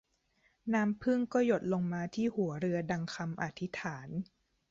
น้ำผึ้งก็หยดลงมาที่หัวเรือดังคำอธิษฐาน